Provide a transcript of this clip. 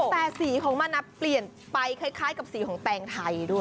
แต่สีของมันเปลี่ยนไปคล้ายกับสีของแตงไทยด้วย